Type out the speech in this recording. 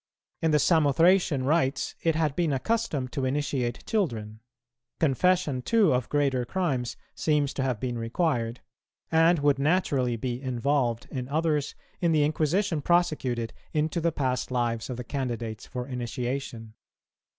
In the Samothracian rites it had been a custom to initiate children; confession too of greater crimes seems to have been required, and would naturally be involved in others in the inquisition prosecuted into the past lives of the candidates for initiation.